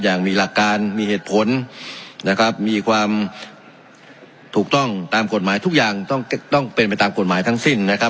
อย่างมีหลักการมีเหตุผลนะครับมีความถูกต้องตามกฎหมายทุกอย่างต้องต้องเป็นไปตามกฎหมายทั้งสิ้นนะครับ